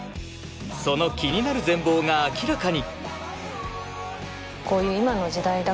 その気になる全貌が明らかに！